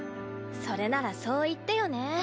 それならそう言ってよね。